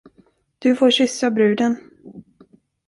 Du får kyssa bruden.